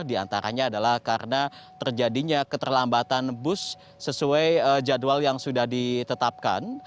di antaranya adalah karena terjadinya keterlambatan bus sesuai jadwal yang sudah ditetapkan